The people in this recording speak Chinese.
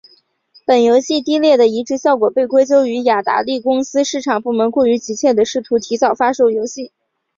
本游戏低劣的移植效果被归咎于雅达利公司市场部门过于急切地试图提早发售游戏。